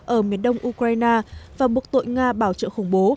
ở miền đông ukraine và buộc tội nga bảo trợ khủng bố